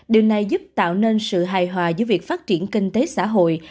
điều này giúp tạo nên sự hài hòa giữa việc phát triển kinh tế xã hội